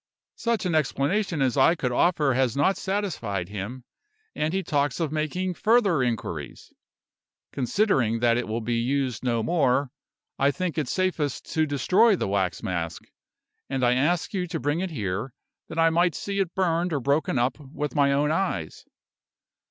Such an explanation as I could offer has not satisfied him, and he talks of making further inquiries. Considering that it will be used no more, I think it safest to destroy the wax mask, and I asked you to bring it here, that I might see it burned or broken up with my own eyes.